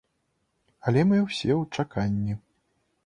Але мы ўсе ў чаканні.